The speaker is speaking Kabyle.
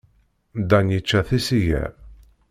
Dan yečča tisigar.